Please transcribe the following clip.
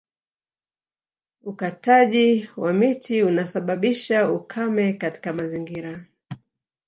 Ukataji wa miti unasababisha ukame katika mazingira